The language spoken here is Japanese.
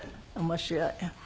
面白い。